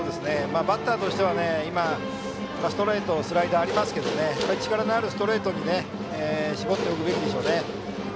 バッターとしては今、ストレートとスライダーがありますけど力のあるストレートに絞っておくべきでしょうね。